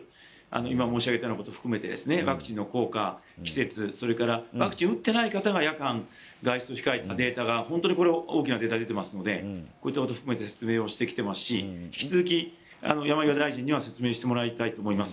今、申し上げたようなこと含めてワクチンの効果、季節それから、ワクチンを打ってない方が、夜間外出を控えたデータが出てますのでこういったことを含めて説明してきていますし引き続き山際大臣には説明してもらいたいと思います。